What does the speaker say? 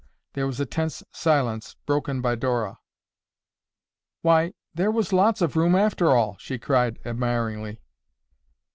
There was a tense silence broken by Dora. "Why, there was lots of room after all!" she cried admiringly.